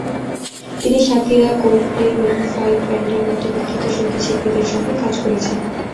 তিনি Shakira, Coldplay, maroon five ব্যান্ডের মতো বিখ্যাত সংগীতশিল্পীদের সঙ্গে কাজ করেছেন।